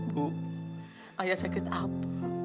bu ayah sakit apa